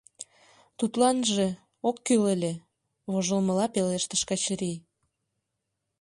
— Тудланже... ок кӱл ыле, — вожылмыла пелештыш Качырий.